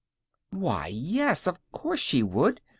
Why, yes, of course she would.